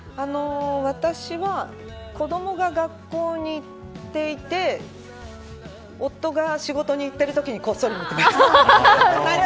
私は子どもが学校に行っていて夫が仕事に行っているときにこっそり見ています。